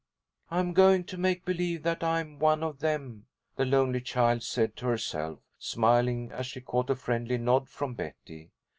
"I'm going to make believe that I'm one of them," the lonely child said to herself, smiling as she caught a friendly nod from Betty.